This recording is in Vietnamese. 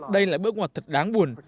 đây là bước ngoặt thật đáng buồn